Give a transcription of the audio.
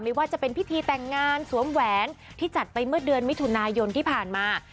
ไม่ว่าจะเป็นพิธีแต่งงานสวมแหวนที่จัดไปเมื่อเดือนมิถุนายนที่ผ่านมา